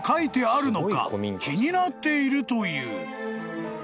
［気になっているという］